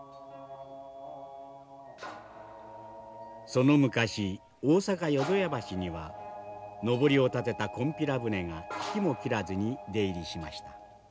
その昔大阪・淀屋橋にはのぼりを立てたこんぴら船が引きも切らずに出入りしました。